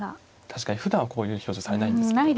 確かにふだんはこういう表情されないんですけど。